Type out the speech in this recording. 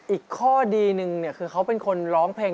อีกข้อดีนึงเนี่ยคือเขาเป็นคนร้องเพลง